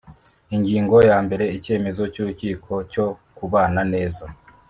Ingingo ya mbere Icyemezo cy urukiko cyo kubana neza